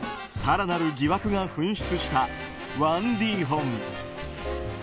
更なる疑惑が噴出したワン・リーホン。